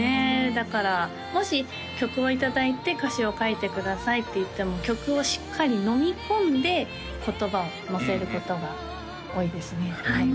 だからもし曲をいただいて歌詞を書いてくださいっていっても曲をしっかりのみ込んで言葉をのせることが多いですね